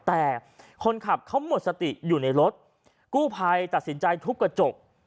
แต่คนขับเขาหมดสติอยู่ในรถกู้ภัยตัดสินใจทุบกระจก